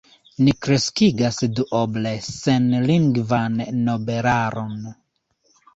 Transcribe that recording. "Ni kreskigas duoble senlingvan nobelaron.